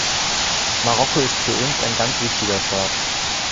Marokko ist für uns ein ganz wichtiger Staat.